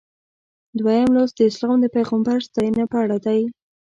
دویم لوست د اسلام د پیغمبر ستاینه په اړه دی.